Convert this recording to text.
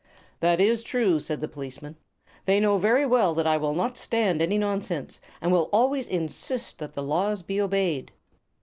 "That is true," said the policeman. "They know very well that I will not stand any nonsense, and will always insist that the laws be obeyed."